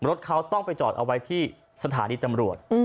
รถเขาต้องไปจอดเอาไว้ที่สถานีตำรวจ